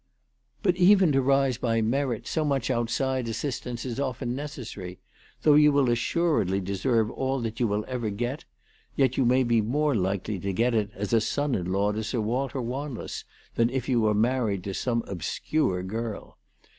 " But even to rise by merit, so much outside assist ance is often necessary ! Though you will assuredly deserve all that you will ever get, yet you may be more likely to get it as a son in law to Sir Walter Wanless than if you were married to some obscure girl.